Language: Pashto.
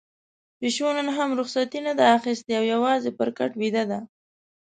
پيشو نن هم رخصتي نه ده اخیستې او يوازې پر کټ ويده ده.